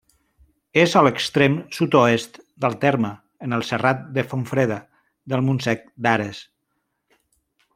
És a l'extrem sud-oest del terme, en el serrat de Fontfreda, del Montsec d'Ares.